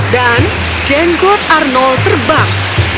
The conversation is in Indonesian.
dan jenggot arnold terbang